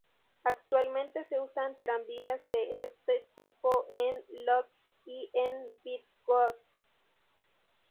Actualmente se usan tranvías de est tipo en Łódź y en Bydgoszcz.